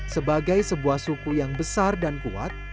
sebagai sebuah suku yang besar dan kuat